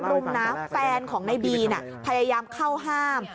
ตอนที่โดนรุ่มนะแฟนของนายดีนพยายามเข้าห้าม